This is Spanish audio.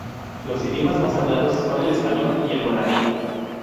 Los idiomas más hablados son el español y el guaraní.